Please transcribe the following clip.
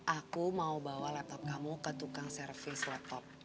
aku mau bawa laptop kamu ke tukang service laptop